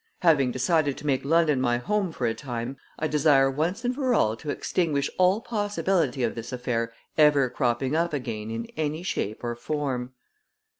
Having decided to make London my home for a time, I desire once and for all to extinguish all possibility of this affair ever cropping up again in any shape or form."